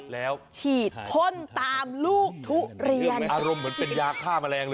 แล้วฉีดพ่นตามลูกทุเรียน